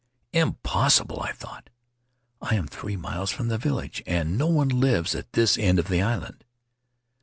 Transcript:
"Impossible!" I thought. "I am three miles from the village and no one lives at this end of the island."